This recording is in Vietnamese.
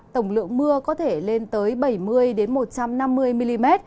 tổng lượng mưa có thể lên tới bảy mươi một trăm năm mươi mm